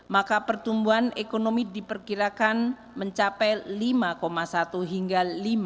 maka pertumbuhan ekonomi diperkirakan mencapai lima satu hingga lima